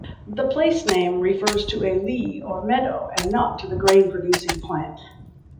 The place-name refers to a lea or meadow and not to the grain-producing plant.